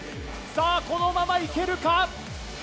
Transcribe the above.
このままいけるか！